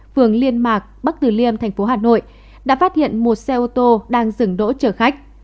phường liên mạc bắc tử liêm thành phố hà nội đã phát hiện một xe ô tô đang dừng đỗ chở khách